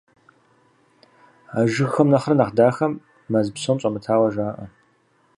А жыгхэм нэхърэ нэхъ дахэ мэз псом щӏэмытауэ жаӏэ.